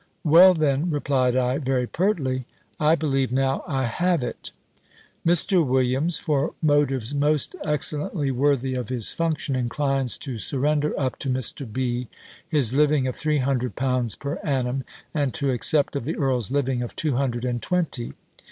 "Well, then," replied I, very pertly, "I believe now I have it. "Mr. Williams, for motives most excellently worthy of his function, inclines to surrender up to Mr. B. his living of three hundred pounds per annum, and to accept of the earl's living of two hundred and twenty.